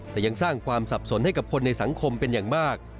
แต่ยังสร้างความสับสนให้กับคนในสังคมเป็นอย่างมาก